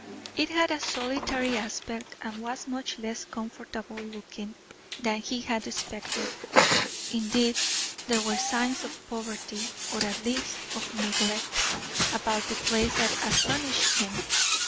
It had a solitary aspect and was much less comfortable looking than he had expected. Indeed, there were signs of poverty, or at least of neglect, about the place that astonished him.